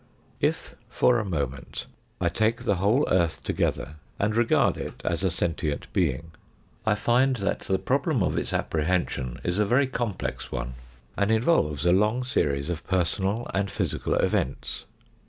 If for a moment I take the whole earth together and regard it as a sentient being, I find that the problem of its apprehension is a very complex one, and involves a long series of personal and physical events.